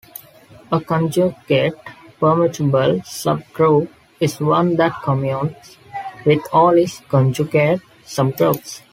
A conjugate permutable subgroup is one that commutes with all its conjugate subgroups.